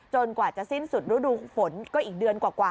จนกว่าจะสิ้นสุดรูดูฝนก็อีกเดือนกว่านะคะ